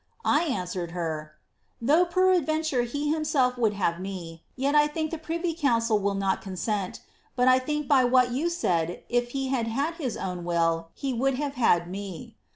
I answered her, * Though pemdventure he himself would have me, yet I think the (priyy) council will not consent, but I think by what yon said if he had his own will he would have had me.